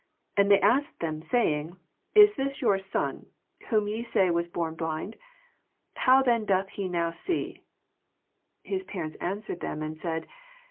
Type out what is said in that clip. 19 And they asked them, saying. Is this your son, who ye say was bom blind ? how then doth he now see 7 20 His parents answered them and said.